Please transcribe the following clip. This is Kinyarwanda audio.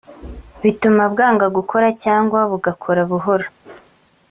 bituma bwanga gukora cyangwa bugakora buhoro